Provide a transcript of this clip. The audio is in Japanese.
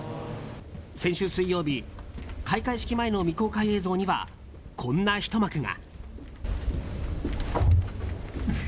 先週水曜日開会式前の未公開映像にはこんなひと幕が。